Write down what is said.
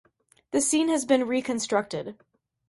The scene has been reconstructed.